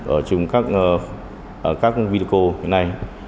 ở trong các video như thế này